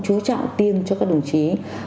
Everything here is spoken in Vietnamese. chú trọng tiêm cho các đồng chí